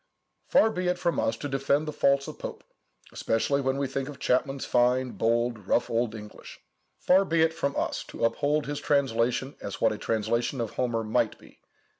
Far be it from us to defend the faults of Pope, especially when we think of Chapman's fine, bold, rough old English;—far be it from us to hold up his translation as what a translation of Homer might be.